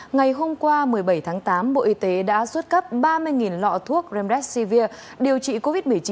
ngày hôm qua một mươi bảy tháng tám bộ y tế đã xuất cấp ba mươi lọ thuốc remdes cvir điều trị covid một mươi chín